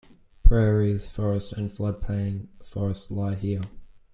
Prairies, forests and floodplain forests lie here.